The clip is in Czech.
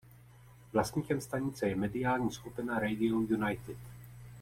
Vlastníkem stanice je mediální skupina Radio United.